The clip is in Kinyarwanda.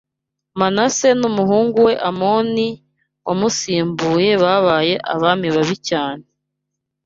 Manase n’umuhungu we Amoni wamusimbuye babaye abami babi cyane